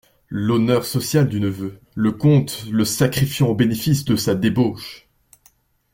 L'honneur social du neveu, le comte le sacrifiait au bénéfice de sa débauche.